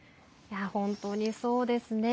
本当にそうですね。